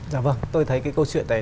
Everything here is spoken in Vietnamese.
dạ vâng tôi thấy cái câu chuyện này